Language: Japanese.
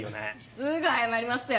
すぐ謝りますよ